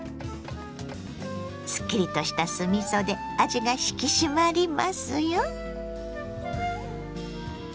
すっきりとした酢みそで味が引き締まりますよ。